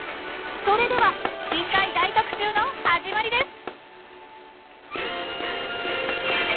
それでは深海大特集の始まりです！